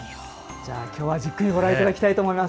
じゃあ、きょうはじっくりご覧いただきたいと思います。